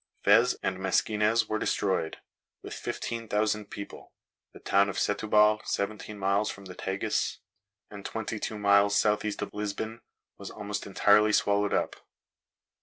Fez and Mesquinez were destroyed, with fifteen thousand people. The town of Setubal, seventeen miles from the Tagus and twenty two miles southeast of Lisbon, was almost entirely swallowed up.